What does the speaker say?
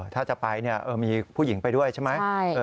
ถ้าจะไปมีผู้หญิงไปด้วยใช่ไหม